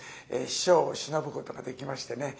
師匠をしのぶことができましてね。